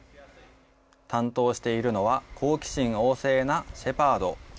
担当しているのは好奇心旺盛なシェパード。